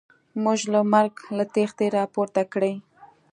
موږ له مرګ له تختې را پورته کړي.